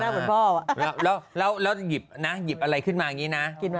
เหมือนพ่อแล้วหยิบนะหยิบอะไรขึ้นมาอย่างนี้นะ